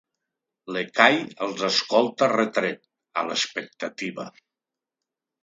L'Ekahi els escolta retret, a l'expectativa.